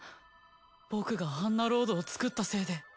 僕があんなロードを作ったせいで。